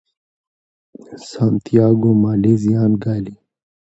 سانتیاګو مالي زیان ګالي.